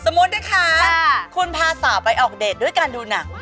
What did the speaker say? สมมุตินะคะคุณพาสาวไปออกเดทด้วยการดูหนักครับ